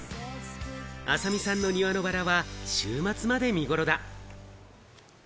浅見さんの庭のバラは週末まで見ごろだ。